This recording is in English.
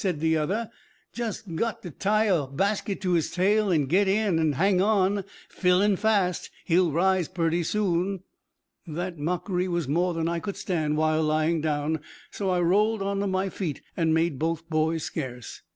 said the other. "Jest got ter tie a basket to his tail, and git in, and hang on. Fillin' fast, he'll rise purty soon." That mockery was more than I could stand while lying down, so I rolled on to my feet and made both boys scarce.